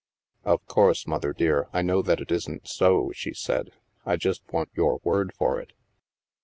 "Of course. Mother dear, I know that it isn't so," she said. " I just want your word for it."